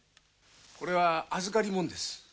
これは預かりもんです。